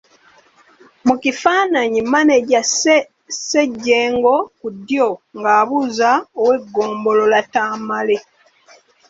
Mu kifaananyi, Mmaneja Ssejjengo (ku ddyo) nga abuuza Ow’eggombolola Tamale.